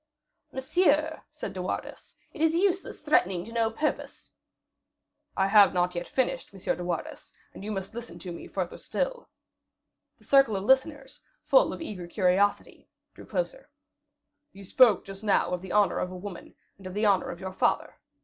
"Monsieur," said De Wardes, "it is useless threatening to no purpose." "I have not yet finished, M. de Wardes, and you must listen to me still further." The circle of listeners, full of eager curiosity, drew closer. "You spoke just now of the honor of a woman, and of the honor of your father.